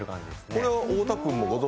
これは太田君もご存じ？